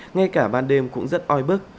ngay cả ban đêm cũng rất oi bức